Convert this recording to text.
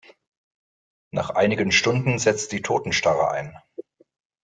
Nach einigen Stunden setzt die Totenstarre ein.